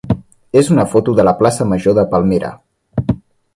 és una foto de la plaça major de Palmera.